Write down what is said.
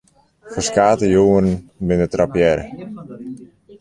Ferskate jongeren binne trappearre.